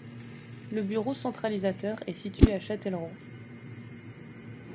Le bureau centralisateur est situé à Châtellerault.